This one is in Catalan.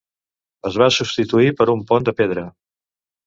Es va substituir per un pont de pedra.